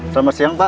selamat siang pak